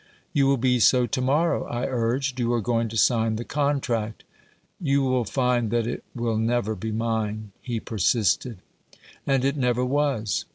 " You will be so to morrow," I urged. " You are going to sign the contract." " You will find that it will never be mine," he persisted. And it never was.